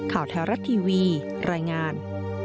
ข่าวแท้รัฐทีวีรายงาน